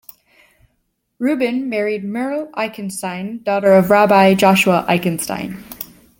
Rubin married Mirl Eichenstein, daughter of Rabbi Joshua Eichenstein.